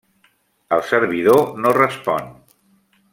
El servidor no respon.